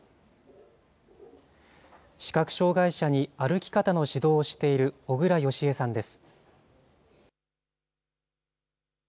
視覚障害者に歩き方の指導をしている小倉芳枝さんです。